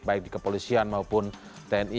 baik di kepolisian maupun tni